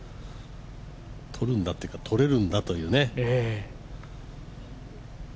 とるんだというか取れるんだというね。